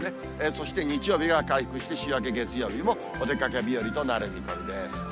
そして日曜日が回復して、週明け月曜日もお出かけ日和となる見込みです。